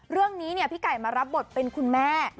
เรื่องนี้พี่ไก่มารับบทเป็นคุณแม่